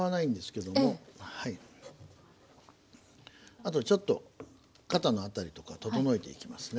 あとちょっと肩の辺りとか整えていきますね。